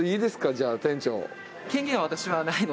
じゃあ店長。